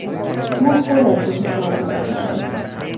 او خودش آن کار را کرد.